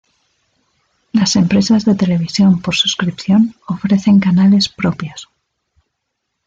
Las empresas de televisión por suscripción ofrecen canales propios.